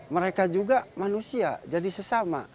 mereka juga manusia jadi sesama